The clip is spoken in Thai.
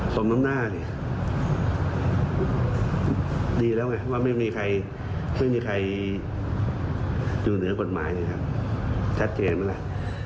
สมน้ำหน้าดีแล้วไงไม่มีใครอยู่เหนือกฎหมายชัดเจนมากเลย